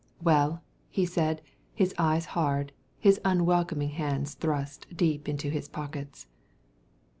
"Well?" he said, his eyes hard, his unwelcoming hands thrust deep into his pockets.